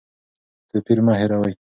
توپیر مه هېروئ.